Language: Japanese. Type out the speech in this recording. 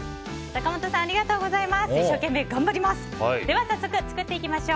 坂本さんありがとうございます。